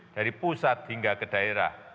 dari pusat hingga ke daerah